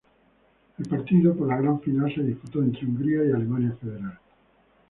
El partido por la gran final se disputó entre Hungría y Alemania Federal.